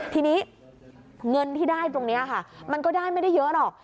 ทีนี้เงินที่ได้ตรงนี้ค่ะมันก็ได้ไม่ได้เยอะหรอก